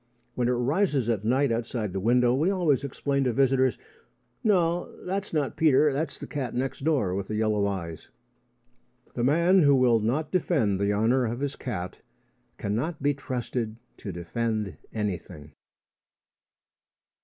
When it rises at night outside the window, we always explain to visitors: "No; that's not Peter. That's the cat next door with the yellow eyes." The man who will not defend the honour of his cat cannot be trusted to defend anything.